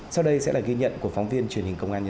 sau đây sẽ là ghi nhận của phóng viên truyền hình công an